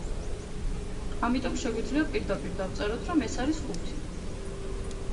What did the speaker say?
ამიტომ, შეგვიძლია პირდაპირ დავწეროთ, რომ ეს არის ხუთი.